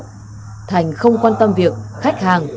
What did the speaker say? trần đình thành không quan tâm việc khách hàng